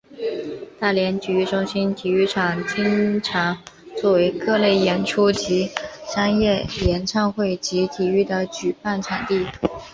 大连体育中心体育场经常作为各类演出及商业演唱会及体育的举办场地。